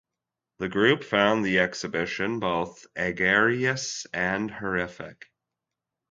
The group found the exhibition both egregious and horrific.